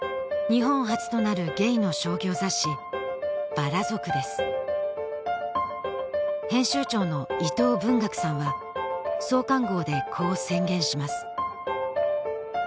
日本初となるゲイの商業雑誌「薔薇族」です編集長の伊藤文学さんは創刊号でこう宣言します